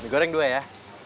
mie goreng dua ya